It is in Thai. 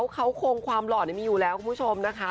เขาคงความหล่อนี้มีอยู่แล้วคุณผู้ชมนะคะ